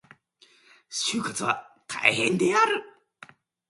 就活は大変である。